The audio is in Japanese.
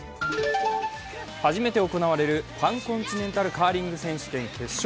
初めて行われるパンコンチネンタル選手権決勝。